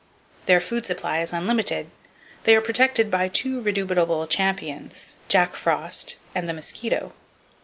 Their food supply is unlimited. They are protected by two redoubtable champions,—Jack Frost and the Mosquito.